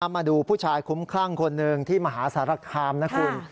มาดูผู้ชายคุ้มคลั่งคนหนึ่งที่มหาสารคามนะคุณ